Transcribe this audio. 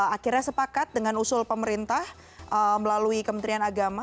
akhirnya sepakat dengan usul pemerintah melalui kementerian agama